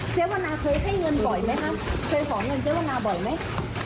เจ๊วนาเคยให้เงินบ่อยไหมคะเคยขอเงินเจ๊วนาบ่อยไหม